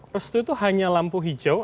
restu itu hanya lampu hijau